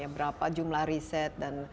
berapa jumlah riset dan